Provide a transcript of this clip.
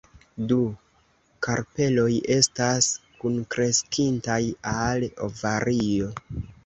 Du karpeloj estas kunkreskintaj al ovario.